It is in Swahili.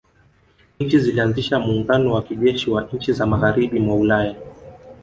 Nchi zilianzisha muungano wa kijeshi wa nchi za magharibi mwa Ulaya